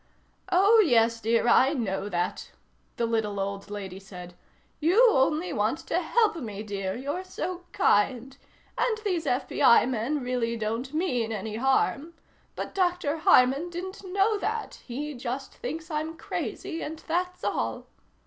"Oh, yes, dear, I know that," the little old lady said. "You only want to help me, dear. You're so kind. And these FBI men really don't mean any harm. But Doctor Harman didn't know that. He just thinks I'm crazy and that's all."